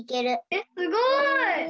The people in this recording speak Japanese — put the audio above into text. えっすごい！